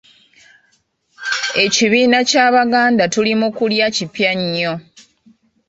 Ekibiina Ky'Abaganda Tuli Mu Kulya kipya nnyo.